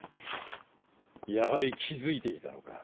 やはり気付いていたのか。